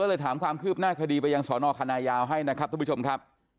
เลยถามความคืบหน้าคดีไปยังสอนอคณะยาวให้นะครับทุกผู้ชมครับ